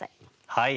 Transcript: はい。